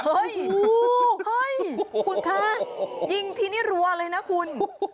เฮ้ยเฮ้ยคุณคะยิงทีนี้รัวเลยนะคุณ